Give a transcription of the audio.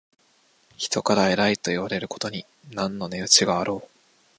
人々から偉いといわれることに何の値打ちがあろう。